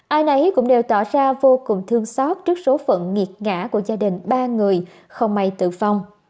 ai nấy cũng đều tỏ ra vô cùng thương xót trước số phận nghiệt ngã của gia đình ba người không may tử vong